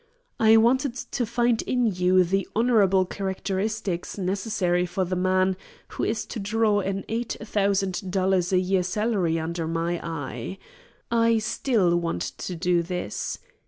I wanted to find in you the honourable characteristics necessary to the man who is to draw an eight thousand dollars a year salary under my eye. I still want to do this.